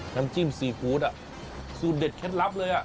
น้ำจิ้มซีฟู้ดสูตรเด็ดเคล็ดลับเลย